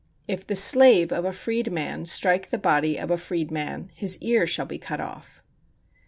If the slave of a freed man strike the body of a freed man, his ear shall be cut off.